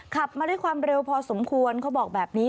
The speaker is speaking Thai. ขับมาด้วยความเร็วพอสมควรเขาบอกแบบนี้